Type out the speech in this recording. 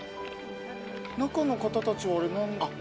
中の方たちはあれ。